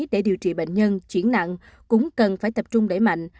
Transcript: để điều trị bệnh nhân chuyển nặng cũng cần phải tập trung đẩy mạnh